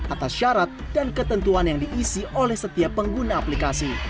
atas syarat dan ketentuan yang diisi oleh setiap pengguna aplikasi